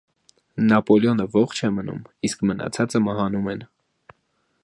Նապոլեոնը ողջ է մնում, իսկ մնացածը մահանում են։